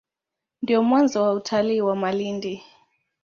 Ndio mwanzo wa utalii wa Malindi.